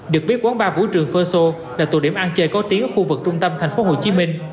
được biết quán bar vũ trường ferso là tù điểm ăn chơi có tiếng ở khu vực trung tâm tp hcm